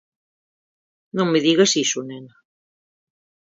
Non me digas iso, nena.